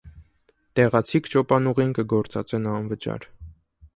Տեղացիք ճոպանուղին կը գործածեն անվճար։